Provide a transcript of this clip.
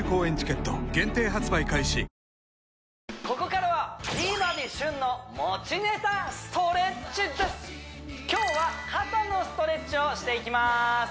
ここからは今日は肩のストレッチをしていきます